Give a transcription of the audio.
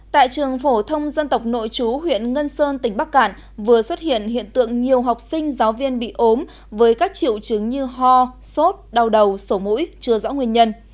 tại trường phổ thông dân tộc nội chú huyện ngân sơn tỉnh bắc cạn vừa xuất hiện hiện tượng nhiều học sinh giáo viên bị ốm với các triệu chứng như ho sốt đau đầu sổ mũi chưa rõ nguyên nhân